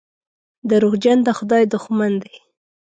دروغجن د خدای دښمن دی.